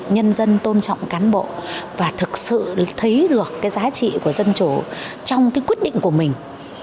nhân dân tôn trọng cán bộ và thực sự thấy được cái giá trị của dân chủ trong cái quyết định của mình